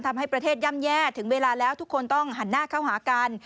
ทำให้ประเทศย่ำแย่ถึงเวลาแล้วทุกคนต้องหันหน้าเข้าหากัน